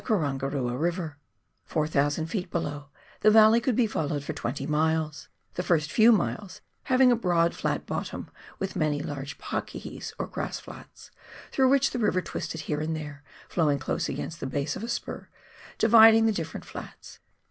Karangarua River, Four thousand feet below, the valley could be followed for twenty miles, the first few miles having a broad flat bottom with many large "pakihis," or grass flats, through which the river twisted here and there, flowing close against the base of a spur, dividing the different flats.